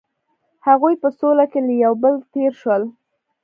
هغوی په سوله کې له یو بل تیر شول.